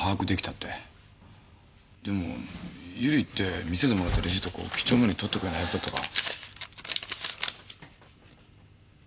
でも由理って店でもらったレシートとかを几帳面に取っておくようなヤツだったか？